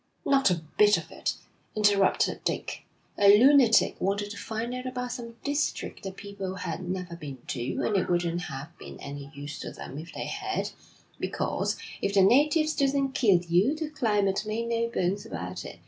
'Not a bit of it,' interrupted Dick. 'A lunatic wanted to find out about some district that people had never been to, and it wouldn't have been any use to them if they had, because, if the natives didn't kill you, the climate made no bones about it.